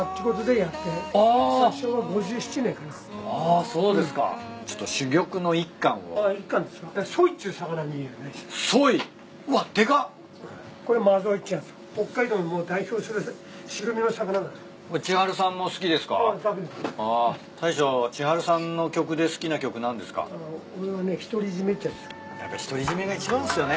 やっぱ「ひとりじめ」が一番っすよね。